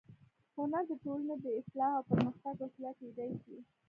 هنر د ټولنې د اصلاح او پرمختګ وسیله کېدای شي